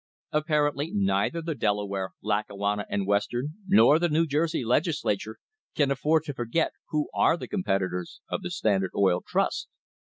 Apparently neither the Delaware, Lackawanna and Western nor the New Jersey Legislature can afford to forget who are the competitors of the Standard Oil Trust.